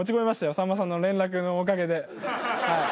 さんまさんの連絡のおかげで。